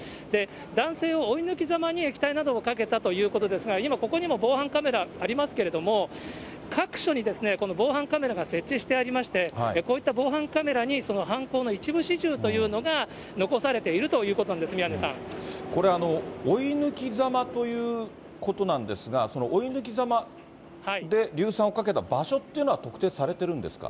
男性を追い抜きざまに液体などをかけたということですが、今、ここにも防犯カメラありますけれども、各所にこの防犯カメラが設置してありまして、こういった防犯カメラにその犯行の一部始終というのが残されていこれ、追い抜きざまということなんですが、その追い抜きざまで硫酸をかけた場所っていうのは特定されてるんですか。